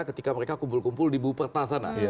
ketika mereka kumpul kumpul di buperta sana